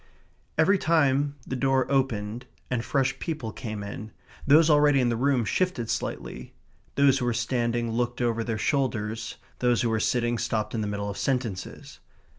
Every time the door opened and fresh people came in, those already in the room shifted slightly; those who were standing looked over their shoulders; those who were sitting stopped in the middle of sentences.